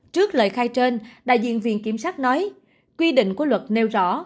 trước lời khai trên đại diện viện kiểm sát nói quy định của luật nêu rõ